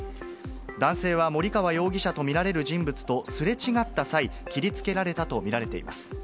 男性は森川容疑者と見られる人物とすれ違った際、切りつけられたと見られています。